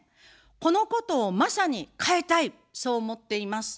このことをまさに変えたい、そう思っています。